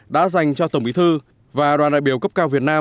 đã dành cho tổng bí thư và đoàn đại biểu cấp cao việt nam